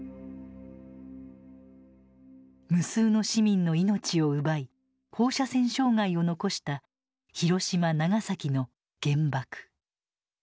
無数の市民の命を奪い放射線障害を残した広島長崎の「原爆」。